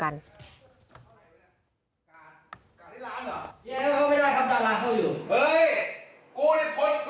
การที่ร้านเหรอ